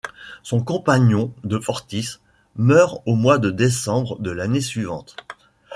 Son compagnon, de Fortis, meurt au mois de décembre de l'année suivante.